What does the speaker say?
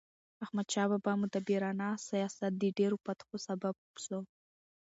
احمدشاه بابا مدبرانه سیاست د ډیرو فتحو سبب سو.